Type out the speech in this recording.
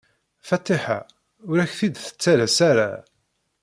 Fatiḥa ur ak-t-id-tettales ara.